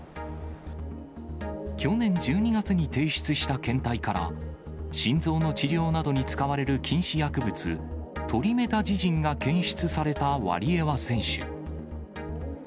去年１２月に提出した検体から、心臓の治療などに使われる禁止薬物、トリメタジジンが検出されたワリエワ選手。